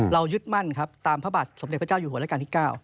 ยึดมั่นครับตามพระบาทสมเด็จพระเจ้าอยู่หัวราชการที่๙